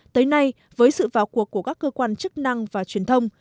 tới nay với sự vào cuộc của các cơ quan chức năng và truyền thông